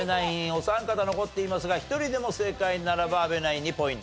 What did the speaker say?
お三方残っていますが１人でも正解ならば阿部ナインにポイントが入ります。